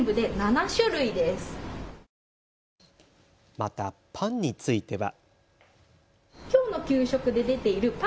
またパンについては。